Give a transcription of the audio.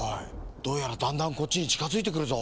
どうやらだんだんこっちにちかづいてくるぞ。